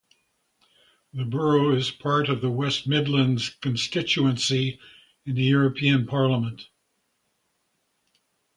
The borough is part of the West Midlands constituency in the European Parliament.